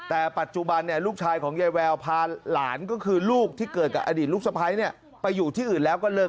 แต่ปัจจุบันเนี่ยลูกชายของไยแววพาหลานก็คือลูกที่เกิดลูกสะพายเนี่ยไปอยู่ที่อื่นแล้วก็เลิก